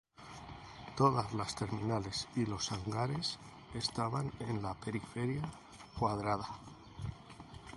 Todas las terminales y los hangares estaban en la periferia cuadrada.